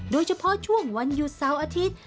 โดยเฉพาะช่วงวันหยุดเสาร์อาทิตย์